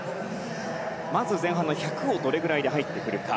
まず前半の１００をどれくらいで入ってくるか。